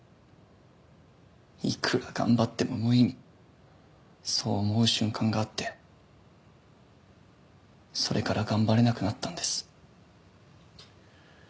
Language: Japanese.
いくら頑張っても無意味そう思う瞬間があってそれから頑張れなくなったんです。